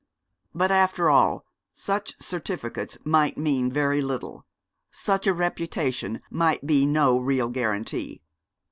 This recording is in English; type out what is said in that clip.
But after all such certificates might mean very little such a reputation might be no real guarantee.